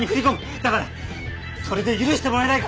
だからそれで許してもらえないか？